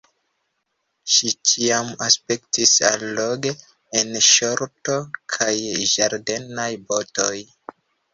Ŝi ĉiam aspektis alloge en ŝorto kaj ĝardenaj botoj.